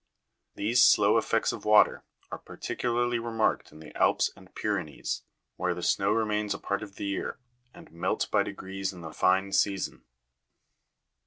These slow effects of water are particularly remarked in the Alps and Pyrenees, where the snows remain a part of the year, and melt by degrees in the fine season.